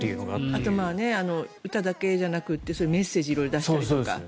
あとは歌だけじゃなくてメッセージを色々出したりとか。